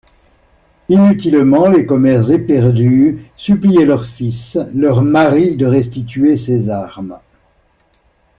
Inutilement les commères éperdues suppliaient leurs fils, leurs maris de restituer ces armes.